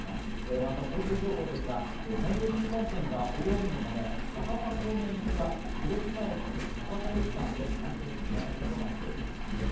また交通情報ですが山陽新幹線は大雨のため、博多方面行きは広島駅−博多駅間で運転見合わせとなっています。